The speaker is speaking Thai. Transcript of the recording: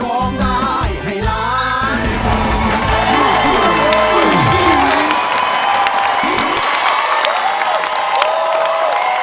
สวัสดีค่ะ